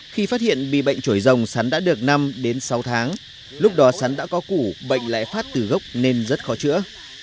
khi phát hiện bị bệnh trồi rồng sắn đã được năm đến sáu tháng lúc đó sắn đã có củ bệnh lại phát từ gốc nên rất khó chữa